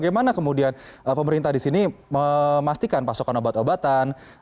bagaimana kemudian pemerintah disini memastikan pasokan obat obatan